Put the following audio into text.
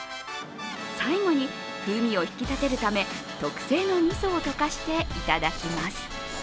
最後に、風味を引き立てるため、特製のみそを溶かしていただきます。